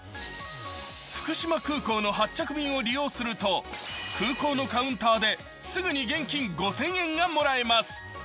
福島空港の発着便を利用すると空港のカウンターですぐに現金５０００円がもらえます。